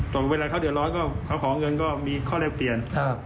เวลาเขาเดือดร้อนก็เขาขอเงินก็มีข้อแรกเปลี่ยน